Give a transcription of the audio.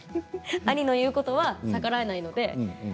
兄の言うことは逆らえないので。